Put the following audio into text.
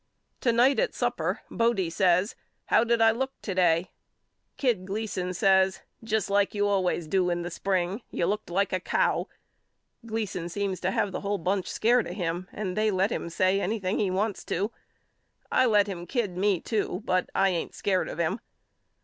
To night at supper Bodie says How did I look to day Kid? Gleason says Just like 20 YOU KNOW ME AL you always do in the spring. You looked like a cow. Gleason seems to have the whole bunch scared of him and they let him say anything he wants to. I let him kid me to but I ain't scared of him.